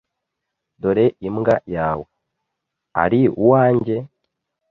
Dore imbwa yawe. Ari uwanjye?